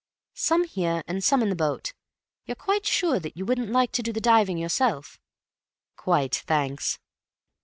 "Some here, and some in the boat. You're quite sure that you wouldn't like to do the diving yourself?" "Quite, thanks."